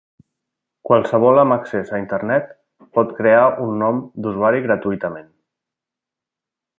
Qualsevol amb accés a Internet pot crear un nom d'usuari gratuïtament.